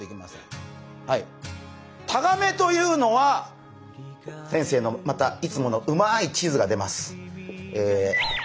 タガメというのは先生のまたいつものうまい地図が出ます。